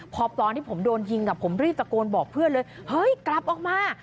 พอตอนที่ผมโดนยิงผมรีบตะโกนบอกเพื่อนเลยเฮ้ยกลับออกมา